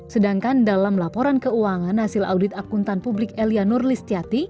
sedangkan dalam laporan keuangan hasil audit akuntan publik elia nurlistiati